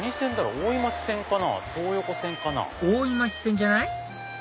大井町線じゃない？